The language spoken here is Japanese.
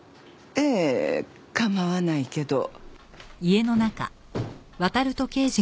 ええ構わないけど。